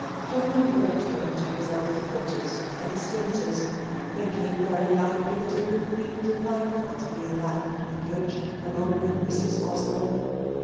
Dobbin walked home to his old quarters and the Slaughters', thinking very likely that it would be delightful to be in that hackney coach, along with Mrs. Osborne.